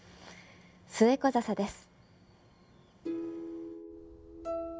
スエコザサです。